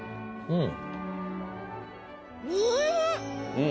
うん！